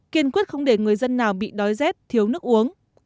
kiên quyết không để người dân nào bị đói rét thiếu nước uống